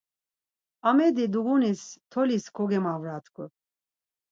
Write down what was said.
Amedi duguniz toliz kogemavrat̆ǩu.